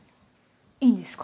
いいんですか？